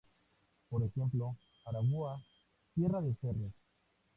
Por ejemplo, Aragua: ‘tierra de cerros’.